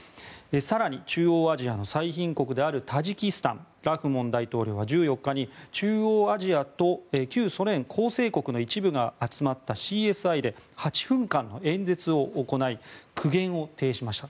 更に中央アジアの最貧国タジキスタンのラフモン大統領が１４日に、中央アジアと旧ソ連構成国の一部が集まったＣＳＩで８分間の演説を行い苦言を呈しました。